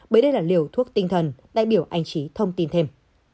bởi đây là liều thuốc tinh thần đại biểu anh trí thông tin thêm